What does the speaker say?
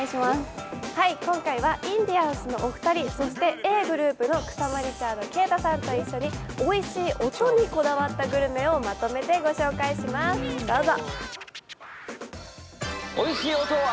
今回はインディアンスのおニ人、そしてＡぇ！ｇｒｏｕｐの草間リチャード敬太さんと一緒においしい音にこだわったグルメをまとめてご紹介します、どうぞ。